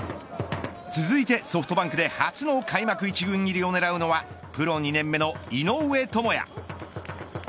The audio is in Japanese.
続いてソフトバンクで初の開幕一軍入りをねらうのはプロ２年目の井上朋也。